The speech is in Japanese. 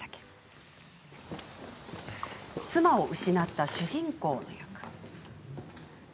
妻を失った主人公の役。